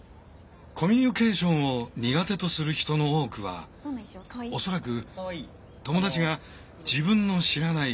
コミュニケーションを苦手とする人の多くは恐らく友達が自分の知らない